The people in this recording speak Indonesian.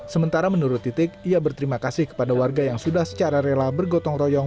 sementara menurut titik ia berterima kasih kepada warga yang sudah secara rela bergotong royong